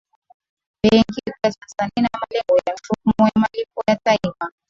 benki kuu ya tanzania ina malengo ya mifumo ya malipo ya taifa